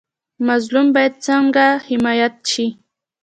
مظلوم باید څنګه حمایت شي؟